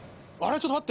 ちょっと待って。